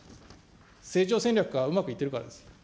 成長戦略がうまくいっているからです。